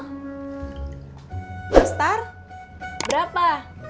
mbak star berapa